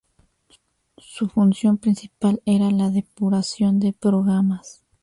Su función principal era la depuración de programas.